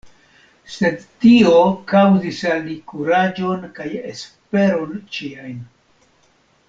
Sed tio kaŭzis al li kuraĝon kaj esperon ĉiajn!